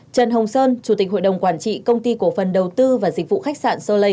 trần hồng sơn chủ tịch hội đồng quản trị công ty cổ phần đầu tư và dịch vụ khách sạn solei